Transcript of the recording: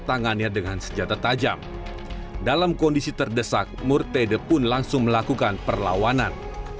tangannya dengan senjata tajam dalam kondisi terdesak murtede pun langsung melakukan perlawanan